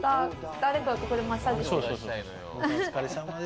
アレクがここでマッサージしてくれる。